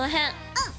うん。